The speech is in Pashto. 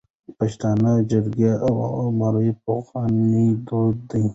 پښتانه جرګی او مرکی پخواني دود ده